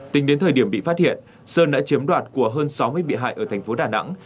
tính đến thời điểm bị phát hiện sơn đã chiếm đoạt của hơn sáu mươi bị hại ở thành phố đà nẵng